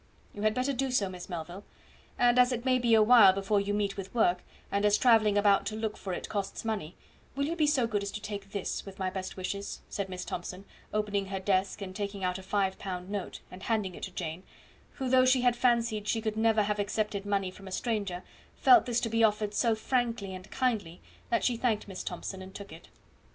"You had better do so, Miss Melville; and as it may be a while before you meet with work, and as travelling about to look for it costs money, you will be so good as to take this, with my best wishes," said Miss Thomson, opening her desk and taking out a five pound note and handing it to Jane, who, though she had fancied she never could have accepted money from a stranger, felt this to be offered so frankly and kindly, that she thanked Miss Thomson and took it.